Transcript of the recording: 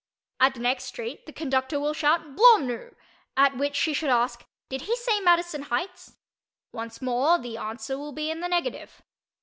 At the next street the conductor will shout "Blawmnoo!" at which she should ask "Did he say Madison Heights?" Once more the answer will be in the negative.